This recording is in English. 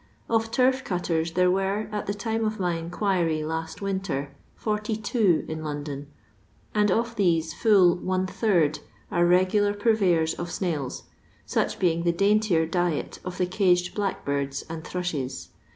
Of torf calten there were, at the time of my inquiry last wintar, 42 in London, and of these fnll one third are te gular purveyors of snails, such being the daintkr diet of the caged bUu; kbirds and thiushee.